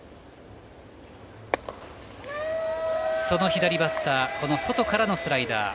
左バッター、外からのスライダー。